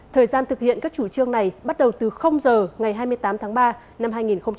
thời gian thực hiện các chủ trương này bắt đầu từ giờ ngày hai mươi tám tháng ba năm hai nghìn hai mươi